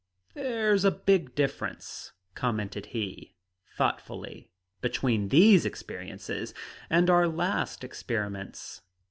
"There's a big difference," commented he, thoughtfully, "between these experiences and our last experiments.